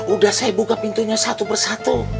udah saya buka pintunya satu persatu